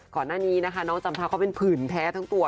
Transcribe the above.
ก่อนหน้านี้นะคะน้องจัมภาเขาเป็นผื่นแท้ทั้งตัว